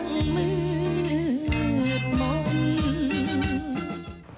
ตามหัวมืดมองไม่เห็น